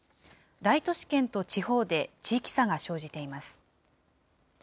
大都市圏と地方で地域差が生じています。